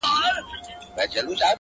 له کوچۍ پېغلي سره نه ځي د کېږدۍ سندري.!